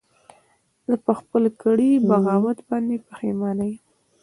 زه په خپل کړي بغاوت باندې پښیمانه نه یم